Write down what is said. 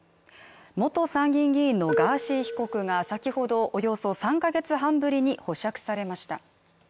元参議院議員のガーシー被告が先ほどおよそ３カ月半ぶりに保釈されました